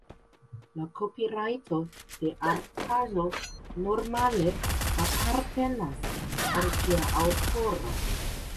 La kopirajto de artaĵo normale apartenas al ĝia aŭtoro.